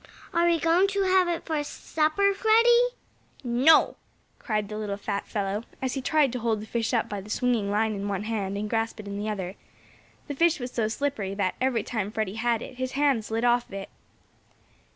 "Are we going to have it for supper, Freddie?" "No!" cried the little fat fellow, as he tried to hold the fish up by the swinging line in one hand, and grasp it in the other. The fish was so slippery that, every time Freddie had it, his hand slid off of it.